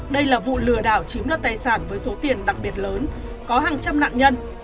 đây là vụ lừa đảo chiếm đoạt tài sản với số tiền đặc biệt lớn có hàng trăm nạn nhân